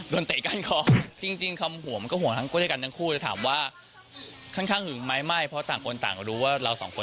ร้านอาหารครับร้านอาหารครับ